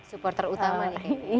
support terutama ya